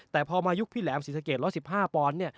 แต่พอมายุคพี่แหลมศรีสะเกต๑๑๕ปอนศ์